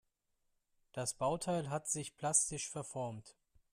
Das Bauteil hat sich plastisch verformt.